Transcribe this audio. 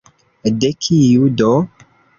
De kiu, do?